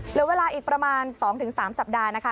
เหลือเวลาอีกประมาณ๒๓สัปดาห์นะคะ